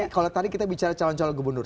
kalau tadi kita bicara calon calon gubernur